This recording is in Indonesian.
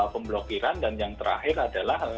pemblokiran dan yang terakhir adalah